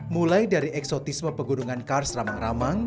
mulai dari eksotisme pegunungan kars ramang ramang